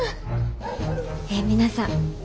え皆さん